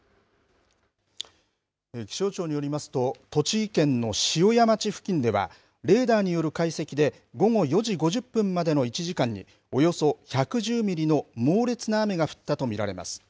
気象庁によりますと、栃木県の塩谷町付近では、レーダーによる解析で、午後４時５０分までの１時間に、およそ１１０ミリの猛烈な雨が降ったと見られます。